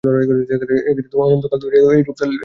অনন্ত কাল ধরিয়া এইরূপ চলিবে।